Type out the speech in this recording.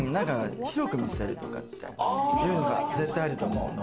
広く見せるとかって絶対あると思うの。